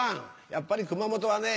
やっぱり熊本はね